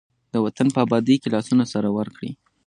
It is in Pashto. د وطن په ابادۍ کې لاسونه سره ورکړئ.